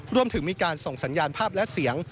รวมถึงมีการส่งสัญญาณภาพและเสียง